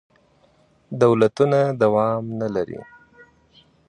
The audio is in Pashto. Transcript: دولتونه دوام نه لري.